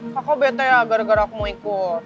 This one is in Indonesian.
kakak bete ya gara gara aku mau ikut